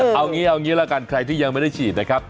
เอางี้เอางี้ละกันใครที่ยังไม่ได้ฉีดนะครับ